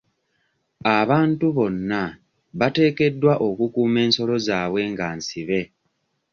Abantu bonna bateekeddwa okukuuma ensolo zaabwe nga nsibe.